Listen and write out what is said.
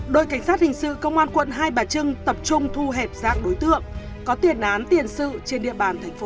đội cảnh sát hình sự công an quận hai bà trưng tập trung thu hẹp dạng đối tượng có tiền án tiền sự trên địa bàn thành phố